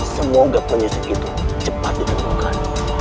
semoga penyisik itu cepat ditemukan